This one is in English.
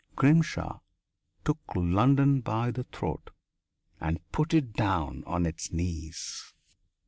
Grimshaw took London by the throat and put it down on its knees.